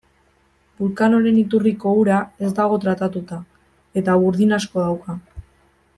Vulcanoren iturriko ura ez dago tratatuta, eta burdin asko dauka.